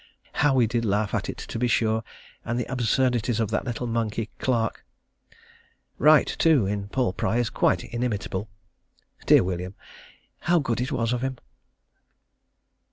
How we did laugh at it to be sure, and the absurdities of that little monkey, Clark. Wright, too, in "Paul Pry," is quite inimitable. Dear William, how good it was of him!....